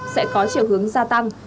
sẽ có thể đạt được